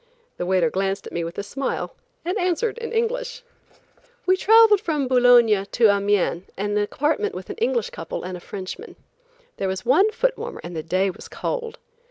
The waiter glanced at me with a smile and answered in English. We traveled from Boulogne to Amiens in a compartment with an English couple and a Frenchman. There was one foot warmer and the day was cold.